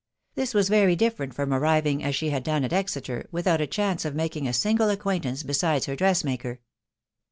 Thii was very different from arriving,, as she had done, at Exeter, without a. chance of making a> single acquaintance besides her. dressmaker.